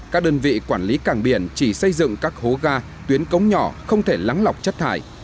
các đơn vị quản lý cảng biển chỉ xây dựng các hố ga tuyến cống nhỏ không thể lắng lọc chất thải